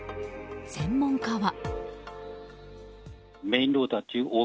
専門家は。